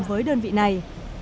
với đơn vị này